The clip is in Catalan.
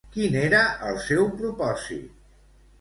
Quin era el seu propòsit?